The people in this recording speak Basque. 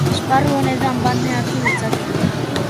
Esparru honetan barne hartu ditzakegu.